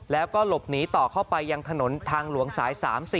แล้วก็หลบหนีต่อเข้าไปยังถนนทางหลวงสาย๓๐